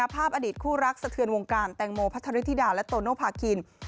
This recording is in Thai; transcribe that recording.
อดีตคู่รักสะเทือนวงการแตงโมพัทธริธิดาและโตโนภาคิน